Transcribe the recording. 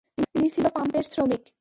তারা ছিল পাম্পের শ্রমিক।